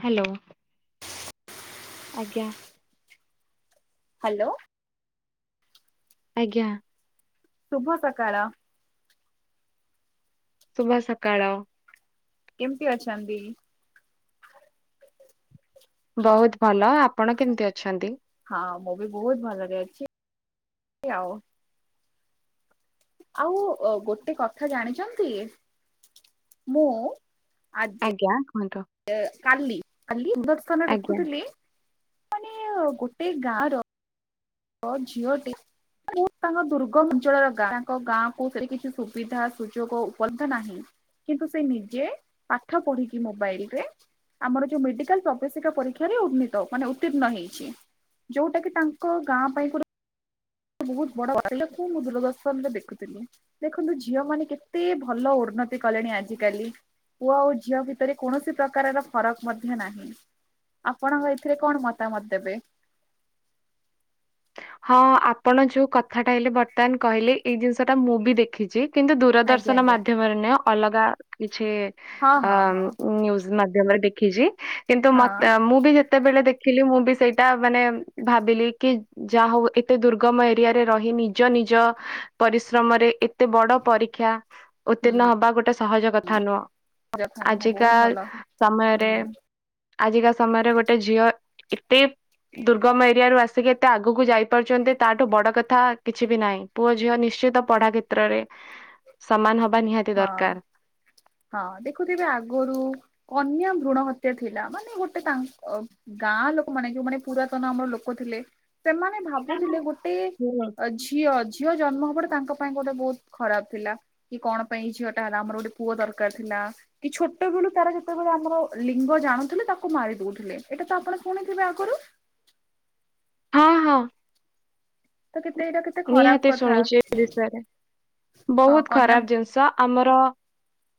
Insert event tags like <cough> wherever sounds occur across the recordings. Hello. ଆଜ୍ଞା। Hello. ଆଜ୍ଞା। ଶୁଭ ସକାଳ। ଶୁଭ ସକାଳ। କେମିତି ଅଛନ୍ତି? ବହୁତ ଭଲ ଆପଣ କେମିତି ଅଛନ୍ତି? ହଁ ମୁଁ ବି ବହୁତ ଭଲରେ ଅଛି ଆଉ ଆଉ ଗୋଟେ କଥା ଜାଣିଛନ୍ତି ମୁଁ ଆ <unintelligible> ଏ କାଲି କାଲିଦର୍ଶନ ଆଜ୍ଞା। ଦେଖୁଥିଲି ମାନେ ଗୋଟେ ଗାଁ ର ଅ ଝିଅ ଟି ତାଙ୍କ ଦୁର୍ଗ ଅଞ୍ଚଳର ଗାଁ ତାଙ୍କ ଗାଁକୁ ସେଠି କିଛି ସୁବିଧା ସୁଯୋଗ ଉପଲବ୍ଧ ନାହିଁ। କିନ୍ତୁ ସେ ନିଜେ ପାଠ ପଢିକି ମୋବାଇଲ ରେ ଆମର ଯୋଉ ମେଡିକାଲ ପ୍ରବେଶିକା ପରୀକ୍ଷା ଉନୀତ ମାନେ ଉତିର୍ଣ ହେଇଛି। ଯୋଉଟା କି ତାଙ୍କ ଗାଁ ପାଇଁ ଗୋ ବହୁତ ବ ମୁଁ ଦୂରଦର୍ଥରେ ଦେଖଥିଲି। ଦେଖନ୍ତୁ ଝିଅ ମାନ କେତେ ଭଲ ଉନ୍ନତି କଲେଣି ଆଜିକାଲି। ପୁଅ ଆଉ ଝିଅ ଭିତରେ କୌଣସି ପ୍ରକାରର ଫରକ ମଧ୍ୟ ନାହିଁ। ଆପଣଙ୍କ ଏଥିରେ କଣ ମତାମତ ଦେବେ। ହଁ ଆପଣ ଯୋଉ କଥାଟା ଏଇଲେ ବର୍ତ୍ତମାନ କହିଲେ ଏଇ ଜିନିଷ ଟା ମୁଁ ବି ଦେଖିଚି। କିନ୍ତୁ ଆଜ୍ଞା ଦୂରଦର୍ଶନ ଆଜ୍ଞା ମାଧ୍ୟମରେ ନ ଅଲଗା କିଛି ହଁ ଅ ହଁ ହଁ ନିୟୁଜ <unintelligible> ଦେଖିଜି କିନ୍ତୁ ମ ହଁ। ମୁଁ ବି ଯେ କେତେବେଳେ ଦେଖିଲି ମୁଁ ବି ସେଇଟା ମାନେ ଭାବିଲି କି ଯାହା ହଉ ଏତେ ଦୁର୍ଗମ ଏରିଆରେ ରହି ନିଜ ନିଜ ପରିଶ୍ରମରେ ଏ ଏତେ ବଡ ପରୀକ୍ଷା ଉତ୍ତୀର୍ଣ ହବା ଗୋଟେ ସହଜ କଥା ନୁହଁ। ହଁ ବହୁତ ଆଜିକାଲ୍ ଭଲ ସମୟରେ। ହୁଁ ଆଜିକା ସମୟରେ ଗୋଟେ ଝିଅ ଏତେ ଦୁର୍ଗମ ଏରିଆରୁୁ ଆସିକି ଏତେ ଆଗକୁ ଯାଇ ପାରୁଛନ୍ତି ତାଠୁ ବଡ କଥା କିଛି ବି ନାହିଁ ପୁଅ ଝିଅ ନିଶ୍ଚିତ ପଢା କ୍ଷେତ୍ରରେ। ସମାନ ହବା ନିହା ହଁ ହଁ ଦେଖୁଥିବେ ଆଗରୁ। କନ୍ୟା ଭ୍ରୁଣ ହତ୍ୟା ଥିଲା ମାନେ ଗୋଟେ ତାଙ୍କ ଅ ଗାଁ ଲୋକ ମାନେ ଯୋଉମାନେ ପୁରାତନ ଅମଳର ଲୋକ ଥିଲେ। ସେମାନେ ଭାବୁଥିଲେ ଗୋଟେ ହୁଁ। ଝିଅ ଅ ଝିଅ ଜନ୍ମ ହବଟ ତାଙ୍କ ପାଇଁ ଗୋଟେ ବହୁତ ଖରାପ ଥିଲା କି କଣ। ପାଇଁ ଏ ଝିଅ ଟା ହେଲା ଆମର ଗୋଟେ ପୁଅ ଦରକାର ଥିଲା। କି ଛୋଟ ବେଳୁ ତାର ଯେତେବେଳେ ଆମର ଲିଙ୍ଗ ଜାଣୁଥିଲେ ତାକୁ ମାରି ଦଉଥିଲେ ଏଇଟା ତ ଆପଣ ଶୁଣିଥିବେ ଆଗରୁ। ହଁ ହଁ। ତ କେତେ ଏଟା ନିହାତି ଶୁଣିଛି ଏ ବିଷୟରେ ହଁ ବହୁତ କନ୍ୟା ଖରାପ ଜିନିଷ ଆମର।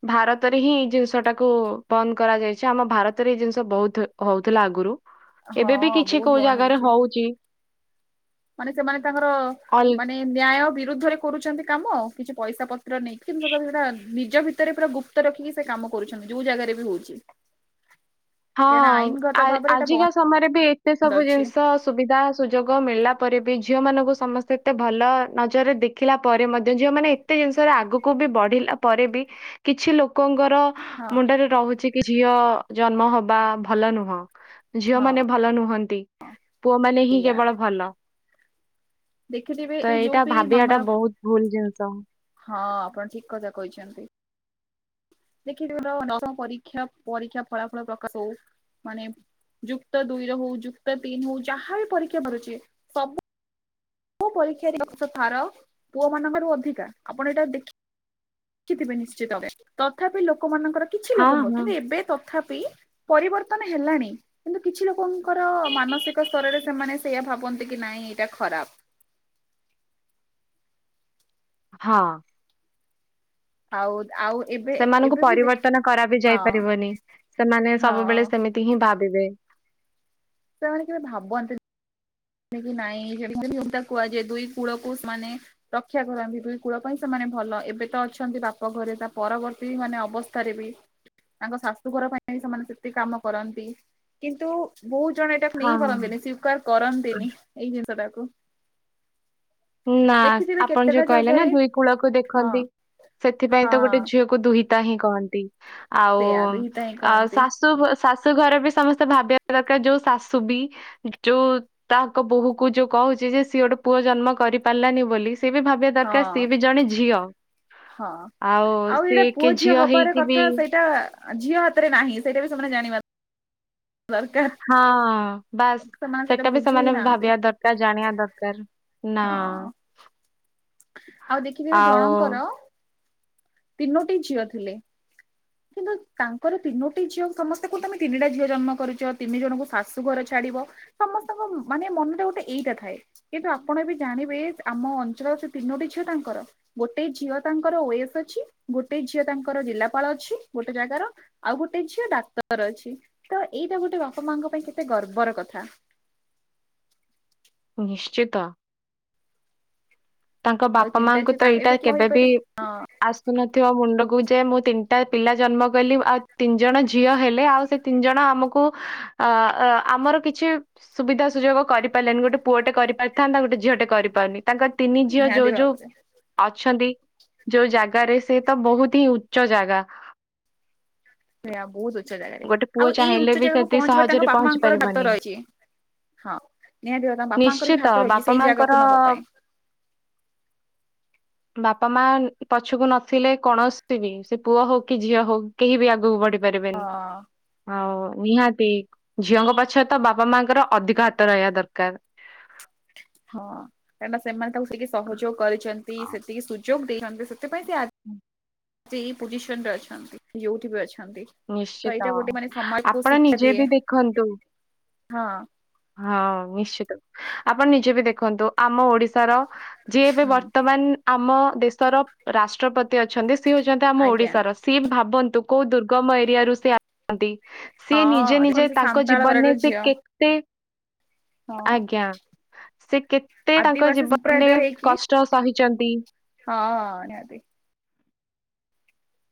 ଭାରତରେ ହିଁ ଏଇ ଜିନିଷ ଟାକୁ ବନ୍ଦ କରାଯାଇଛି ଆମ ଭାରତରେ ଏଇ ଜିନିଷ ବହୁତ ହଉଥିଲା ଆଗୁରୁ। ହଁ ଏବେ ବି କିଛି ବହୁତ କୋଉ ବନ୍ଦ ଜାଗାରେ ହେଇଛି। ହଉଚି। ମାନେ ସେମାନେ ତାଙ୍କର ଅଲଗା ମାନେ ନ୍ୟାୟ ବିରୁଦ୍ଧରେ କରୁଛନ୍ତି କାମ କିଛି ପଇସା ପ ତ୍ର ନେଇ କିନ୍ତୁ ସେଟା ନିଜ ଭିତରେ ପୁରା ଗୁପ୍ତ ରଖିକି ସେ କାମ କରୁଛନ୍ତି ଯୋଉ ଜାଗାରେ ବି ହଉଛି। ହଁ ତେଣୁ ଆଇନଗତ ଆ ଭାବରେ ଏଇଟା ଆଜିକା ସମୟରେ ବି ଏତେ ବନ୍ଦ ସବୁ ଅଛି ଜିନିଷ। ସୁବିଧା ସୁଯୋଗ ମିଳିଲା ପରେ ବି ଝିଅ ମାନଙ୍କୁ ସମସ୍ତେ ଏତେ ଭଲ ନଜରରେ ଦେଖିଲା ପରେ ମଧ୍ୟ ଝିଅମାନେ। ଏତେ ଜିନିଷରେ ଆଗକୁ ବି ବଢିଲା ପରେ ବି କିଛି ଲୋକଙ୍କର। ହଁ ମୁଣ୍ଡରେ ରହୁଛି କି ଝିଅ ଜନ୍ମ ହବା ଭଲ ନୁହଁ। ଝିଅ ହଁ ମାନେ ଭଲ ନୁହନ୍ତି ପୁଅ ମାନେ ହିଁ ଏଇଆ କେବଳ ଭଲ। ଦେଖିଥିବେ ତ ଏ ଏଇଟା ଯୋଉ ବି ଭାବିବାଟା ମାମର ବହୁତ ଭୁଲ ଜିନିଷ ହଁ ଆପଣ ଠିକ କଥା କହିଛନ୍ତି। ଦେଖି ନ <unintelligible> ପରୀକ୍ଷା ଫଳାଫଳ ପ୍ରକାଶ ହଉ। ମାନେ ଯୁକ୍ତ ଦୁଇର ହଉ ଯୁକ୍ତ ତିନି ହଉ ଯାହା ବି ପରୀକ୍ଷା ବାହାରୁଛି ସବୁ ପ ପରୀକ୍ଷାର <unintelligible> ପୁଅ ମାନଙ୍କର ଅଧିକା ଆପଣ ଏଇଟା ଦେଖି ଦେଖିଥିବେ ନିଶ୍ଚିତରେ ତଥାପି ଲୋକମାନଙ୍କର କିଛି ହଁ ଲୋକଙ୍କ ହଁ କିନ୍ତୁ ଏବେ ତଥାପି ପରିବର୍ତ୍ତନ ହେଲାଣି। କିନ୍ତୁ କିଛି ଲୋକଙ୍କର ମାନସିକ ସ୍ତରରେ ସେମାନେ ସେଇଆ ଭାବନ୍ତି କି ନାଇଁ ଏଇଟା ଖରାପ। ହଁ। ଆଉଜ ଆଉ। ଏବେ ସେମାନଙ୍କୁ ଏବେ ବି ଦେଖ ପରିବର୍ତ୍ତନ କରା ବି ହଁ ଯାଇ ପାରିବନି ସେମାନେ ହଁ ସବୁବେଳେ ସେମିତି ହିଁ ଭାବିବେ। ସେମାନେ ଜୋଉ ଭାବନ୍ତି। କି ନାଇଁ ସେଠି ଦୁହିତା କୁହାଯାଏ ଦୁଇ କୂଳକୁ ମାନେ ରକ୍ଷା କରନ୍ତି ଦୁଇ କୂଳ ପାଇଁ ସେମାନେ ଭଲ ଏବେ ତ ଅଛନ୍ତି ବାପ ଘରେ ତା ପରବର୍ତ୍ତୀ ମାନେ ଅବସ୍ ରେ ବି ତାଙ୍କ ଶାଶୁ ଘର ପାଇଁ ସେମାନେ ସେତିକ କାମ କରନ୍ତି। କିନ୍ତୁ ବହୁତ ଜଣ ଏଇଟାକୁ ନେଇ ପାରନ୍ତିନି ହଁ। ସ୍ୱିକାର କରନ୍ତିନି ଏଇ ଜିନିଷ ଟାକୁ। ନା ଦେଖିଥିବେ ଆପଣ ଯୋ କେତେଟା କହିଲେ ନା ଜାଗାରେ ଦୁଇ କୂଳକୁ ହଁ ଦେଖନ୍ତି ସେଥିପାଇଁ ତ ଗୋଟେ ହଁ ଝିଅ କୁ ଦୁହିତା ହିଁ କହନ୍ତି। ଆଉ ସେଇଆ ଦୁହିତା ହିଁ ଆଉ କହନ୍ତି। ଶାଶୁ ଶାଶୁ ଘର ବି ସମସ୍ତେ ଭାବିବା ଦରକାର ଯୋଉ ଶାଶୁ ବି ଯୋଉ ତାଙ୍କ ବୋହୂକୁ ଯୋଉ କହୁଛି ଯେ ସିଏ ଗୋଟେ ପୁଅ ଜନ୍ମ କରିପାରିଲାନି ବୋଲି ସିଏ ବି ଭାବିବା ହଁ ଦରକାର ସିଏ ବି ଜଣେ ଝିଅ। ହଁ ଆଉ ଏଇଟା ସିଏ କି ପୁଅ ଝିଅ ହବାର ହେଇକି ବି କଥା ସେଇଟା ଝିଅ ହାତରେ ନାହିଁ ସେଇଟା ବି ସେମାନେ ଜାଣିବା ଦରକାର। ହଁ। ବାସ୍ ସେମାନେ ସେଟା ବି ବୁଝୁ ହିଁ ସେମାନେ ନାହାନ୍ତି ଭାବିବା ଦରକାର୍ ଜାଣିବା ଦରକାର୍ ନା। ହଁ। ଆଉ ଦେଖିଥିବେ ଆଉ ଜଣଙ୍କର ତିନୋଟି ଝିଅ ଥିଲେ। କିନ୍ତୁ ତାଙ୍କର ତିନୋଟି ଝିଅ ସମସ୍ତେ କୁ ତମେ ତିନିଟା ଝିଅ ଜନ୍ମ କରିଛ ତିନି ଜଣଙ୍କୁ ଶା ଶୂ ଗର ଛାଡିବ ସମସ୍ତଙ୍କ ମାନେ ମନରେ ଗୁଟେ ଏଇଟା ଥାଏ। କିନ୍ତୁ ଆପଣ ଏବେ ଜାଣିବେ ଆମ ଅଞ୍ଚଳର ସେ ତିନୋଟି ଝିଅ ତାଙ୍କର। ଗୋଟେ ଝିଅ ତାଙ୍କର ଓ ଏସ ଅଛି ଗୋଟେ ଝିଅ ତାଙ୍କର ଜିଲ୍ଲାପାଳ ଅଛି ଗୋଟେ ଜାଗାର ଆଉ ଗୁଟେ ଝିଅ ଡାକ୍ତର ଅଛି ତ ଏଇଟା ଗୋଟେ ବାପା ମାଙ୍କ ପାଇଁ କେତେ ଗର୍ବର କଥା। ନିଶ୍ଚିତ। ତାଙ୍କ ଆଉ ବାପା ତିନିଟା ମାଙ୍କୁ ଝିଅ ତ ତାଙ୍କ ଏଇଟା ଏବେ କିଏ କେବେବି କହିପାରିବେ। ହଁ ଆସୁନଥିବ ମୁଣ୍ଡକୁ ଯେ ମୁଁ ତିନିଟା ପିଲା ଜନ୍ମ କଲି ଆଉ ତିନି ଜଣ ଝିଅ ହେଲେ ଆଉ ସେ ତିନ୍ ଜଣ ଆମକୁ ଅ ଅ ଆମର କିଛି ସୁବିଧା ସୁଯୋଗ କରିପାରିଲେନି ଗୋଟେ ପୁଅଟେ କରିପାରିଥାନ୍ତା ଗୋଟେ ଝିଅଟେ କରିପାରୁନି ତାଙ୍କ ତିନି ଝିଅ ନିହାତି ଯୋଉ ଯୋଉ ଭାବରେ ଅଛନ୍ତି ଯୋଉ ଜାଗାରେ ସେ ତ ବହୁତ ହିଁ ଉଚ୍ଚ ଜାଗା। ସେଆ ବହୁତ ଉଚ୍ଚ ଜାଗାରେ ଗୋଟେ ପୁଅ ଆଉ ଏଇ ଚାହିଁଲେ ଉଚ୍ଚ ବି ଜାଗାକୁ ସେତିକି ପହଞ୍ଚିବାରେ ତାଙ୍କ ସହଜରେ ପହଞ୍ଚି ବାପାଙ୍କର ବାତ ପାରିବନି ରହିଛି। ହଁ ନିହାତି ଭାବେ ତା ବାପାଙ୍କର ବି ନିଶ୍ଚିତ ହାତ ରହିଛି ବାପା ସେଇ ମାଙ୍କର ଜାଗାକୁ ନବା ପାଇଁ। <unintelligible> ବାପା ମା ପଛକୁ ନଥିଲେ କୌଣସି ବି ସେ ପୁଅ ହଉକି ଝିଅ ହଉ କେହିବି ଆଗକୁ ବଢି ହଁ ପାରିବେନି। ଆଉ ନିହାତି ଝିଅଙ୍କ ପଛରେ ତ ବାପା ମାଙ୍କର ଅଧିକାର୍ ତ ରହିବା ଦରକାର। ହଁ କାହିଁନା ସେମାନେ ତାକୁ ସେକି ସହଯୋଗ କରିଛନ୍ତି ସେତିକି ସୁଯୋଗ ଦେଇନାତି ସେ ସେଥିପାଇଁ ଆଜି ଏଇ ପୋଜିସନରେ ଅଛନ୍ତି ଯୋଉଠିବି ଅଛନ୍ତି। ତ ନିଶ୍ଚିତ ଏଇଟା ଗୋଟେ ମାନେ ସମାଜକୁ ଆପଣ ଶିକ୍ଷା ନିଜେ ଦିଏ ବି ଦେଖନ୍ତୁ। ହଁ। ହଁ ନିଶ୍ଚିତ ଆପଣ ନିଜେ ବି ଦେଖନ୍ତୁ ଆମ ଓଡିଶାର ଯିଏ ଏବେ ହୁଁ ବର୍ତ୍ତମାନ ଆମ ଦେଶର ରାଷ୍ଟ୍ରପ ତେ ଅଛନ୍ତି ସିଏ ହଉଛନ୍ତି ଆମ ଆଜ୍ଞା ଓଡିଶାର ସିଏ ଭାବନ୍ତୁ କୋଉ ଦୁର୍ଗମ ଏରିଆରୁ ସିଏ ଆ <inaudible> ନ୍ତି। ସିଏ ନିଜେ ହଁ ନିଜେ ଦେଖନ୍ତୁ ସେ ତାଙ୍କ ସାନ୍ତାଳ ଘରର ଜୀବନରେ ସେ ଝିଅ କେତେ ହଁ। ଆଜ୍ଞା ସେ କେତେ ତାଙ୍କ ଆଦିବାସୀ ଜୀବନରେ ସମ୍ପ୍ରଦାୟ ହେଇକି କଷ୍ଟ ସହିଚନ୍ତି। ହଁ ନିହାତି।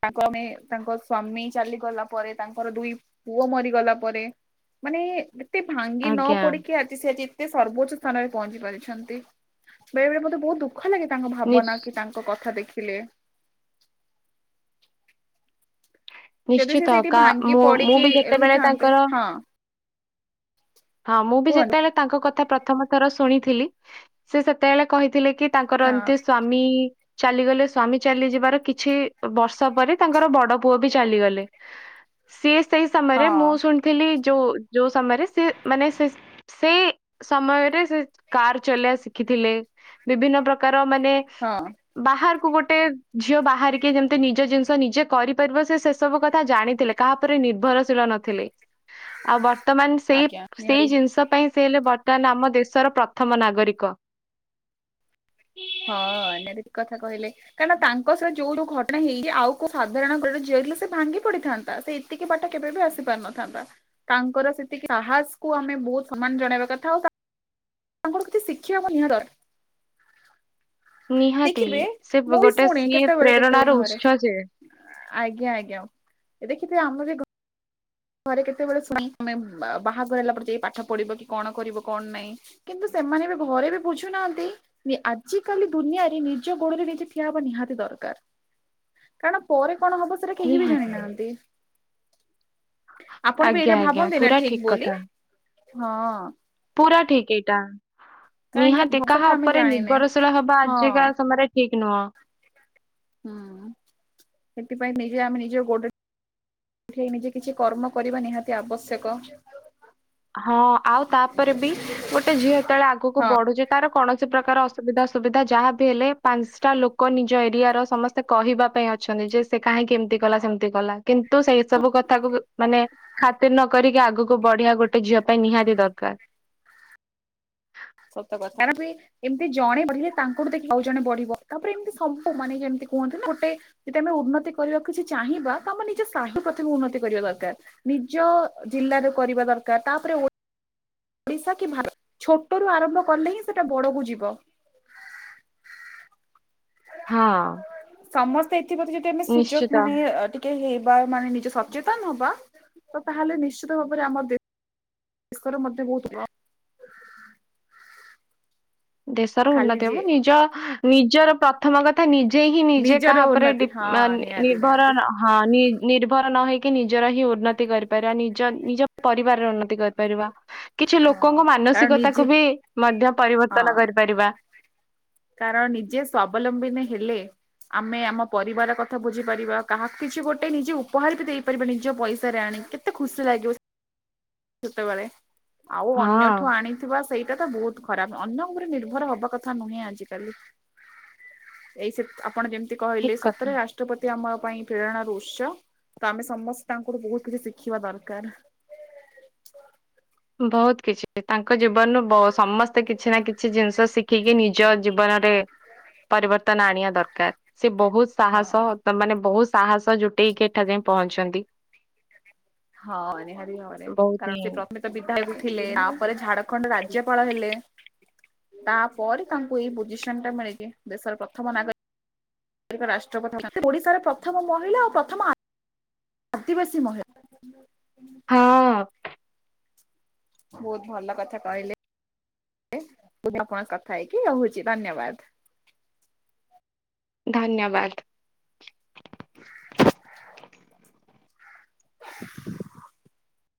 ତାଙ୍କୁ ଆମେ ତାଙ୍କ ସ୍ଵାମୀ ଚାଲିଗଲା ପରେ ତାଙ୍କର ଦୁଇ ପୁଅ ମରିଗଲା ପରେ ମାନେ ଏତେ ଭାଙ୍ଗି ଆଜ୍ଞା ନପଡିକି ଆଜି ସେ ଆଜି ସେ ସର୍ବୋଚ୍ଚ ସ୍ଥାନରେ ପହଞ୍ଚି ପାରିଛନ୍ତି ବେଳେ ବେଳେ ମୋତେ ବହୁତ ଦୁଃଖ ଲାଗେ ତାଙ୍କ ଭାବନା ନିଶ୍ଚ କି ତା ଙ୍କ କଥା ଦେଖିଲେ। ଯଦି ସେ ନିଶ୍ଚିତ ସେଇଠି କା ଭାଙ୍ଗି ମୁଁ ମୁଁ ପଡିକି ବି ଯେତେବେଳେ ରହିଥାନ୍ତେ ତାଙ୍କର ହଁ ହଁ ମୁଁ ବି କୁହନ୍ତୁ ଯେତେବେଳେ ତାଙ୍କ କଥା ପ୍ରଥମ ଥର ଶୁଣିଥିଲି ସେ ସେତେବେଳେ କହିଥିଲେକି ତାଙ୍କର ହଁ ଏମିତି ସ୍ଵାମୀ ଚାଲିଗଲେ। ସ୍ଵାମୀ ଚାଲିଯିବାର କିଛି ବର୍ଷ ପରେ ତାଙ୍କର ବଡ ପୁଅବି ଚାଲିଗଲେ। ସିଏ ସେଇ ସମୟରେ ହଁ ମୁଁ ଶୁଣିଥିଲି ଯୋଉ ଯୋଉ ସମୟରେ ସିଏ ମାନେ ସେ ସେଇ ସମୟରେ ସେ କାର ଚଲେଇିବା ଶିଖିଥିଲେ। ବିଭିନ୍ନ ପ୍ରକାର ମାନେ ହଁ। ବାହାରକୁ ଗୋଟେ ଝିଅ ବାହାରିକି ଯେମତି ନିଜ ଜିନିଷ ନିଜେ କରିପାରିବ ସେ ସେସବୁ କଥା ଜାଣିଥିଲେ। କାହା ଉପରେ ନିର୍ଭରଶୀଳ ନ ଥିଲେ। ଆଉ ବର୍ତ୍ତମାନ ସେଇ ଆଜ୍ଞା ନିହାତି। ସେଇ ଜିନିଷ ପାଇଁ ସେ ହେଲେ ବର୍ତ୍ତମାନ ଆମ ଦେଶର ପ୍ରଥମ ନାଗରିକ। ହଁ ନେଭିଟି କଥା କହିଲେ। କାହିଁକି ନା ତାଙ୍କ ସହିତ ଯୋଉ ଯୋଉ ଘଟଣା ହେଇଚି ଆଉ କୋଉ ସାଧାରଣ ଘରର ଝିଅ ହେଇଥିଲେ ସେ ଭାଙ୍ଗି ପଡିଥାନ୍ତା। ସେ ସେତିକି ବାଟ କେବେବି ଆସି ପାରିନଥାନ୍ତା। ତାଙ୍କର ସେତିକି ସାହସକୁୁ ଆମେ ବହୁତ ସମ୍ମାନ ଜଣେଇବା କଥା। ଆଉ ତା ତାଙ୍କଠୁ କିଛି ଶିଖିବା ମୋ ନିହାତି ଦର ନିହାତି। ଦେଖିବେ ସେ ମୁଁ ବି ଗୋଟେ ଶୁଣେ ସିଏ କେତେବେଳେ ପ୍ରେରଣାର କେତେବେଳେ ଘରେ। ଉତ୍ସ ସେ ଆଜ୍ଞା ଆଜ୍ଞା। ଦେଖବେ ଆମେ ବି ଘରେ ଘରେ କେତେବେଳେ ଶୁଣେ ତମେ ବାହାଘର ହେଲା ପରେ ଯାଇ ପାଠ ପଢିବ କି କଣ କରିବ କଣ ନାହିଁ। କିନ୍ତୁ ସେମାନେ ବି ଘରେ ବି ବୁଝୁନାହାନ୍ତି। ଆଜିକାଲି ଦୁନିଆରେ ନିଜ ଗୋଡରେ ନିଜେ ଠିଆ ହବା ନିହାତି ଦରକାର। କାରଣ ପରେ କଣ ହବ ସେଟା କେହିବି ନିହାତି ଜାଣିନାହାନ୍ତି। ଆପଣବି ଆଜ୍ଞା ଏଇଟା ଆଜ୍ଞା ଭାବନ୍ତି ନା ପୁରା ଠିକ୍ ଠିକ ବୋଲି। କଥା ହଁ। ପୁରା ଠିକ୍ ଏଇଟା। ନିହାତି କାହିଁକି କାହା କଥା ଆମେ ଉପରେ ଜାଣିନେ ନିର୍ଭରଶୀଳ ହବା ହଁ ଆଜିକା ସମୟରେ ଠିକ୍ ନୁହଁ। ହୁଁ। ସେଥିପାଇଁ ନିଜେ ଆମେ ନିଜ ଗୋଡରେ ସେଥିପାଇଁ ନିଜେ କିଛି କର୍ମ କରିବା ନିହାତି ଆବଶ୍ୟକ। ହଁ ଆଉ ତାପରେ ବି ଗୋଟେ ଝିଅ ଯେତେବେଳେ ଆଗକୁ ହଁ। ବଢୁଚି ତାର କୌଣସି ପ୍ରକାର ଅସୁବିଧା ସୁବିଧା ଯାହାବି ହେଲେ ପାଞ୍ଚଟା ଲୋକ ନିଜ ଏରିଆର ସମସ୍ତ ସେ କହିବା ପାଇଁ ଅଛନ୍ତି ଯେ ସେ କାହିଁକି ଏମିତି କଲା ସେମିତି କଲା କିନ୍ତୁ ସେଇ ସବୁ କଥାକୁ ମାନେ ଖାତିରି ନ କରିକି ଆଗକୁ ବଢିବା ଗୋଟେ ଝିଅ ପାଇଁ ନିହାତି ଦରକାର। ସତ କଥା। ଏମିତି ଜଣେ ବଢିଲେ ତାଙ୍କୁଠୁ ଦେଖି ଆଉ ଜଣେ ବଢିବ। ତାପରେ ଏମିତି ସବୁ ମାନେ ଯେମିତି କୁହନ୍ତି ନା ଗୋଟେ ଯଦି ଆମେ ଉନ୍ନତି କରିବାକୁ କିଛି ଚାହିଁବା ତ ଆମ ନିଜ ସାହି ପ୍ରଥମେ ଉନ୍ନତି କରିବା ଦରକାର। ନିଜ ଜିଲ୍ଲାରେ କରିବା ଦରକାର। ତାପରେ ଓଡିଶା କି ଭାରତ ଛୋଟରୁୁ ଆରମ୍ଭ କଲେ ହିଁ ସେଟା ବଡକୁ ଯିବ। ହଁ। ସମସ୍ତେ ଏଥିପ୍ରତି ଯଦି ଆମେ ସୁଯୋଗ ନିଶ୍ଚିତ। ମାନେ ଅ ଟି କେ ହେବା ମାନେ ନିଜେ ସଚେତନ ହବା। ତ ତାହେଲେ ନିଶ୍ଚିତ ଭାବରେ ଆମ ଦେ ଶରେ ମଧ୍ୟ ବହୁତ ଦେଶର ଖାଲି ଉନ୍ନତି ଯେ ହବ। ନିଜ ନିଜର ପ୍ରଥମ କଥା ନି ନିଜେ ହିଁ ନିଜେ ନିଜର କାହା ଉପରେ ଉନ୍ନତି ଡିପ୍ ହଁ ନିହାତି ନି-ନିର୍ଭର ନିହାତି ହଁ ନି-ନିର୍ଭର ନ ହେଇକି ନିଜର ହିଁ ଉନ୍ନତି କରିପାରବ। ନିଜ ନିଜ ପରିବାରରେ ଉନ୍ନତି କରିପାରିବା। କିଛି ହଁ ଲୋକଙ୍କ କାରଣ ମାନସିକତାକୁ ନିଜେ ବି ମଧ୍ୟ ପରିବର୍ତ୍ତ ହଁ ପରିବା। କାରଣ ନିଜେ ସ୍ଵାବଲମ୍ବିନ ହେଲେ ଆମେ ଆମ ପରିବାର କଥା ବୁଝିପାରିବା। କାହାକୁ କିଛି ଗୋଟେ ନିଜେ ଉପହାର ବି ଦେଇପାରିବା ନିଜ ପଇସାରେ ଆଣି। ଏତେ ଖୁସି ଲାଗିବ। ସେତେବେଳେ, ଆଉ ଅନ୍ୟଠୁ ହଁ ଆଣିଥିବା ସେଇଟା ତ ବହୁତ ଖରାପ, ଅନ୍ୟ ଉପରେ ନିର୍ଭର ହବା କଥା ନୁହେଁ ଆଜିିକାଲି। ଏଇ ସେ, ଆପଣ ଯେମିତି ଠିକ କହିଲେ କଥା। ସତରେ ରାଷ୍ ରାଷ୍ଟ୍ରପତି ଆମ ପାଇଁ ପ୍ରେରଣାର ଉତ୍ସ, ତ ଆମେ ସମସ୍ତେ ତାଙ୍କଠୁ ବହୁତ କିଛି ଶିଖିବା ଦରକାର। ବହୁତ କିଛି, ତାଙ୍କ ଜୀବନରୁ ବ ସମସ୍ତେ କିଛି ନା କିଛି ଜିନିଷ ଶିଖିକି ନିଜ ଜୀବନରେ ପରିବର୍ତ୍ତନ ଆଣିବା ଦରକାର, ସେ ବହୁସ୍ ସାହସ ହଁ। ତ ମାନେ ବହୁତ ସାହସ ଜୁଟେଇକି ଏଠା ଯାଏଁ ପହଞ୍ଚିଛନ୍ତି। ହଁ ନିହାତି ଭାବରେ ବହୁତ କାରଣ ସେ ହିଁ ପ୍ରଥମେ ତ ବିଧାୟକ କରିକି ଥିଲେ, ତାପରେ ଦେଲେ ଝାଡଖଣ୍ଡ ରାଜ୍ୟପାଳ ହେଲେ। ତାପରେ ତାଙ୍କୁ ଏଇ ପୋଜିସନ୍ ଟା ମିଳିଛି, ଦେଶର ପ୍ରଥମ ନାଗରି ସେ ଓଡିଶାର ପ୍ରଥମ ମହିଳା ଓ ପ୍ରଥମ ଆ ଆଦିବାସୀ ମହିଳା। ହଁ। ବହୁତ ଭଲ କଥା କହିଲେ, ଲେ <inaudible> ଆପଣ କଥା ହେଇକି ରହୁଛି ଧନ୍ୟବାଦ। ଧନ୍ୟବାଦ।